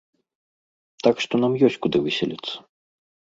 Так што нам ёсць куды выселіцца.